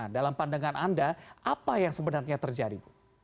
dalam pandangan anda apa yang sebenarnya terjadi